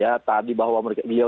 ya tadi bahwa beliau